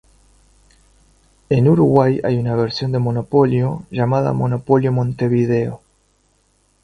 En Uruguay hay una versión de Monopolio llamado Monopolio Montevideo.